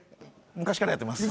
昔からやってます。